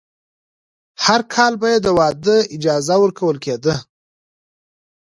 هر کال به یې د واده اجازه ورکول کېده.